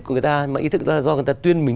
của người ta mà ý thức là do người ta tuyên mình